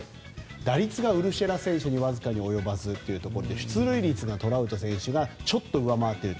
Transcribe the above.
打率がウルシェラ選手にわずかに及ばずというところで出塁率が、トラウト選手がちょっと上回っている。